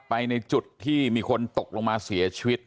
ในจุดที่มีคนตกลงมาเสียชีวิต